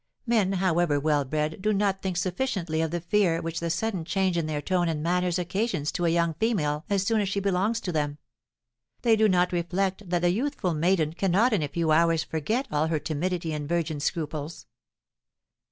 Men, however well bred, do not think sufficiently of the fear which the sudden change in their tone and manners occasions to a young female as soon as she belongs to them; they do not reflect that a youthful maiden cannot in a few hours forget all her timidity and virgin scruples."